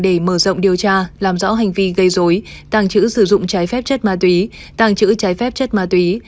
để mở rộng điều tra làm rõ hành vi gây dối tàng trữ sử dụng trái phép chất ma túy tàng trữ trái phép chất ma túy